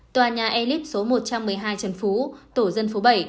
tòa nhà elite số một trăm một mươi hai trần phú tổ dân phố bảy